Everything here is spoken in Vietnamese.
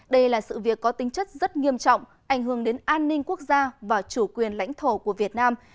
đây là sự việc có tính chất rất nghiêm trọng ảnh hưởng đến an ninh quốc gia và chủ quyền lãnh thổ của việt nam